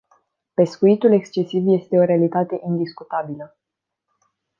Pescuitul excesiv este o realitate indiscutabilă.